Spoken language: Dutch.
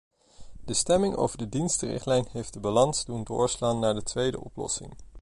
De stemming over de dienstenrichtlijn heeft de balans doen doorslaan naar de tweede oplossing.